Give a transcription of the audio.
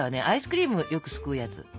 アイスクリームをよくすくうやつ。